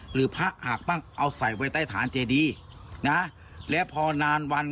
หรือพระหากบ้างเอาใส่ไว้ใต้ฐานเจดีนะแล้วพอนานวัน